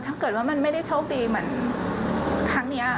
ถ้าเกิดว่ามันไม่ได้โชคดีเหมือนครั้งนี้